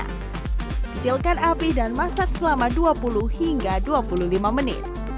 kecilkan api dan masak selama dua puluh hingga dua puluh lima menit